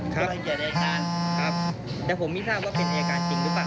ครับผมยอมรับครับ